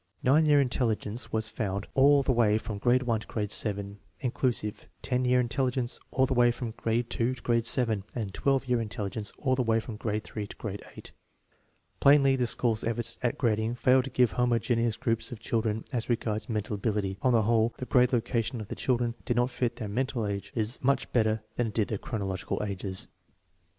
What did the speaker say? Nine year intelligence was found all the i Seep. 24 jf. 74 THE MEASUREMENT OF INTELLIGENCE way from grade 1 to grade 7, inclusive; 10 year intelligence all the way from grade to grade 7; and 12 year intelligence all the way from grade 3 to grade 8. Plainly the school's efforts at grading fail to give homogeneous groups of chil dren as regards mental ability. On the whole, the grade location of the children did not fit their mental ages much better than it did their chronological ages.